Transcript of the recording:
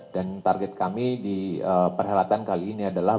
dan target kami di perhelatan kali ini adalah